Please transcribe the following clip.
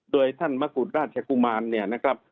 โดยท่านมะกุฎราชกุมารเนี่ยนะครับ